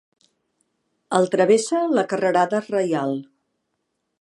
El travessa la Carrerada Reial.